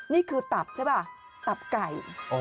นี่คือตับใช่ป่ะตับไก่